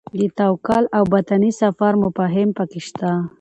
د توکل او باطني سفر مفاهیم پکې شته.